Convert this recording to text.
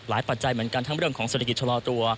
ปัจจัยเหมือนกันทั้งเรื่องของเศรษฐกิจชะลอตัว